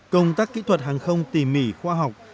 công tác kỹ thuật hàng không tỉ mỉ khoa học